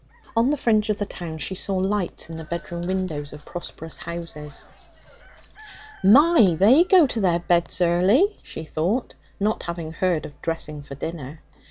On the fringe of the town she saw lights in the bedroom windows of prosperous houses. 'My! they go to their beds early,' she thought, not having heard of dressing for dinner.